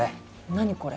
何これ？